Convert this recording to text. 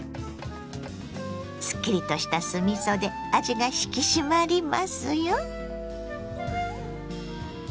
すっきりとした酢みそで味が引き締まりますよ。